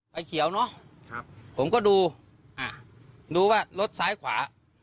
ไข่เขียวเนอะผมก็ดูดูว่ารถซ้ายขวา